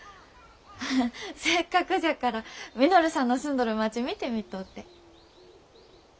ハハッせっかくじゃから稔さんの住んどる町見てみとうて。